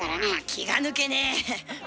気が抜けねえ。